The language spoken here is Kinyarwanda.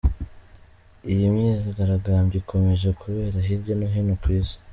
Iyi myigaragambyo ikomeje kubera hirya no hino ku Isi.